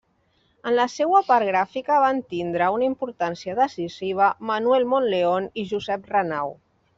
En la seua part gràfica van tindre una importància decisiva Manuel Monleón i Josep Renau.